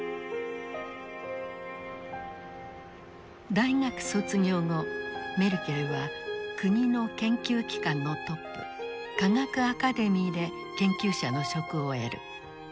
大学卒業後メルケルは国の研究機関のトップ科学アカデミーで研究者の職を得る。